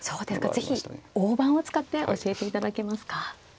是非大盤を使って教えていただけますか。